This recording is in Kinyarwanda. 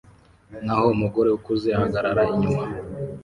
naho umugore ukuze ahagarara inyuma